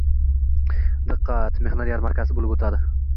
Diqqat, mehnat yarmarkasi boʻlib oʻtadi!